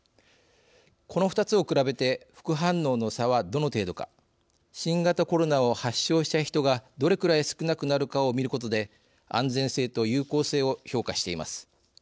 この２つを比べて副反応の差はどの程度か新型コロナを発症した人がどれくらい少なくなるかをみることで安全性と有効性を評価しています。